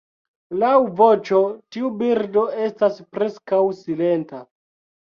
Laŭ voĉo tiu birdo estas preskaŭ silenta.